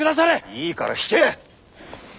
いいから引け！